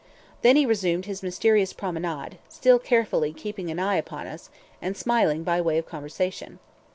Then he resumed his mysterious promenade, still carefully keeping an eye upon us, and smiling by way of conversation.